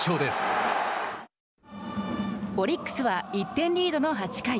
オリックスは１点リードの８回。